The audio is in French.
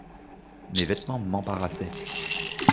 Mes vêtements m’embarrassaient.